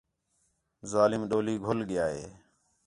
ظالم ڈولی گِھن ڳِیا ہِے